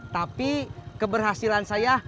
tapi keberhasilan saya